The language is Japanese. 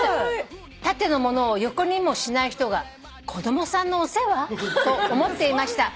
「縦のものを横にもしない人が子供さんのお世話？と思っていました」